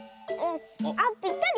あっぴったり。